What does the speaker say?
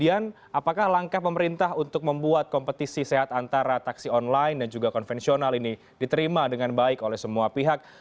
apakah kompetisi sehat antara taksi online dan konvensional ini diterima dengan baik oleh semua pihak